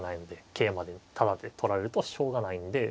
桂馬でタダで取られるとしょうがないんで。